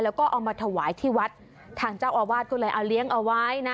แล้วก็เอามาถวายที่วัดทางเจ้าอาวาสก็เลยเอาเลี้ยงเอาไว้นะ